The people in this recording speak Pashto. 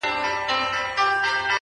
چي پکي روح نُور سي. چي پکي وژاړي ډېر.